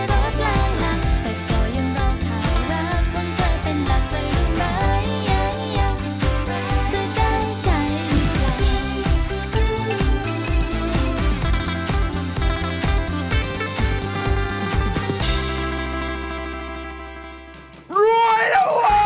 สามารถรับชมได้ทุกวัย